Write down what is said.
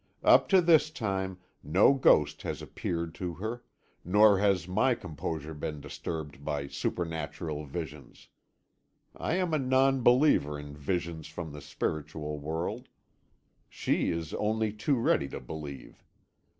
Up to this time, no ghost has appeared to her, nor has my composure been disturbed by supernatural visions. I am a non believer in visions from the spiritual world; she is only too ready to believe.